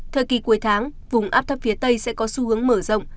thời kỳ cuối tháng vùng áp thấp phía tây sẽ có xu hướng mở rộng